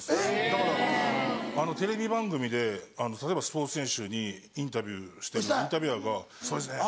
だからテレビ番組で例えばスポーツ選手にインタビューしてるインタビュアーが「そうですね」。